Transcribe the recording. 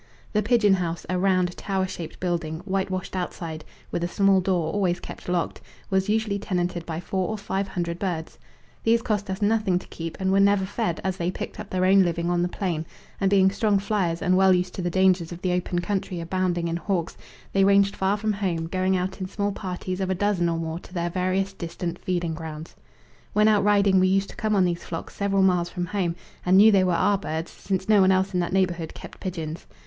The pigeon house, a round, tower shaped building, whitewashed outside, with a small door always kept locked, was usually tenanted by four or five hundred birds. These cost us nothing to keep, and were never fed, as they picked up their own living on the plain, and being strong fliers and well used to the dangers of the open country abounding in hawks, they ranged far from home, going out in small parties of a dozen or more to their various distant feeding grounds. When out riding we used to come on these flocks several miles from home, and knew they were our birds since no one else in that neighbourhood kept pigeons.